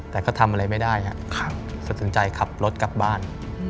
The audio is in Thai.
แต่ก็ทำอะไรไม่ได้สนใจขับรถกลับบ้าน